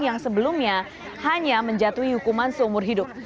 yang sebelumnya hanya menjatuhi hukuman seumur hidup